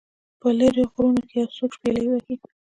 په لیرو غرونو کې یو څوک شپیلۍ وهي